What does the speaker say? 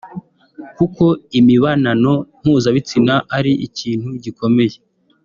kuko imibanano mpuzabitsina ari ikintu gikomeye